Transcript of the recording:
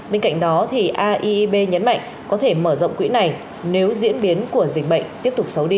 bên cạnh đó aib nhấn mạnh có thể mở rộng quỹ này nếu diễn biến của dịch bệnh tiếp tục xấu đi